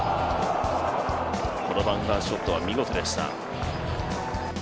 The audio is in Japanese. このバンカーショットは見事でした。